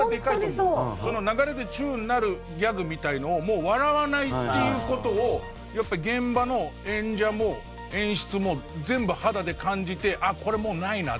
流れでチューになるギャグみたいなのをもう笑わないっていう事をやっぱり現場の演者も演出も全部肌で感じて「あっこれもうないな。